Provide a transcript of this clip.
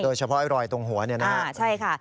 โดยเฉพาะไอ้รอยตรงหัวเนี่ยนะฮะ